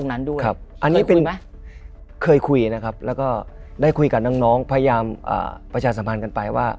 อันนี้เป็นไหมเคยคุยนะครับแล้วก็ได้คุยกับน้องพยายามประชาสัมพันธ์กันไปว่า